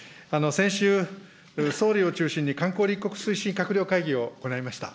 先週、総理を中心に観光立国推進閣僚会議を行いました。